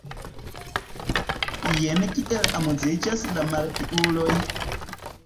Jen kiel amuziĝas la malpiuloj!